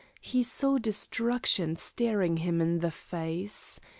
He saw destruction staring him in the face.